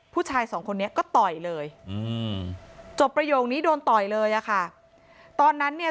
ผู้ชายสองคนนี้ก็ต่อยเลยอืมจบประโยคนี้โดนต่อยเลยอะค่ะตอนนั้นเนี่ย